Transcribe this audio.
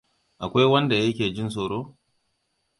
Akwai wanda yake jin tsoro?